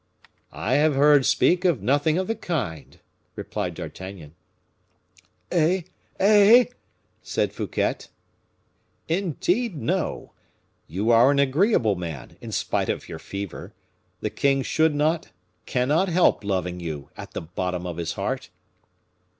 "I have heard speak of nothing of the kind," replied D'Artagnan. "Eh! eh!" said Fouquet. "Indeed, no. You are an agreeable man, in spite of your fever. The king should not, cannot help loving you, at the bottom of his heart."